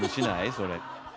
それ。